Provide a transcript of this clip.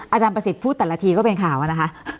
อาจารย์ประสิทธิ์พูดแต่ละทีก็เป็นข่าวนะคะ